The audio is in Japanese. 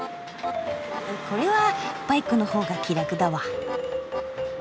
これはバイクの方が気楽だわ。